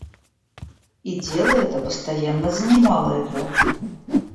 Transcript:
И дело это постоянно занимало его.